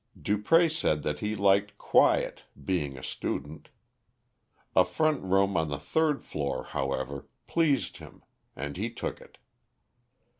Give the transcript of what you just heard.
Dupré said that he liked quiet, being a student. A front room on the third floor, however, pleased him, and he took it.